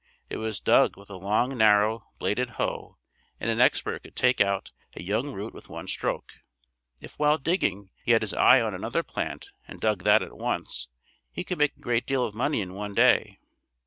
It was dug with a long narrow bladed hoe and an expert could take out a young root with one stroke. If while digging, he had his eye on another plant and dug that at once, he could make a great deal of money in one day.